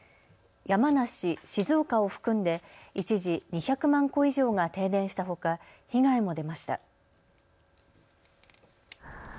山梨、静岡を含んで一時、２００万戸以上が停電したほか被害も出ました。